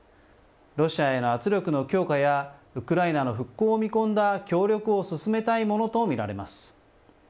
ロシアへの圧力の強化や、ウクライナの復興を見込んだ協力を進めたいものと見られます。